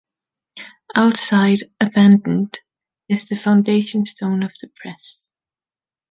Outside, abandoned, is the foundation stone of the press.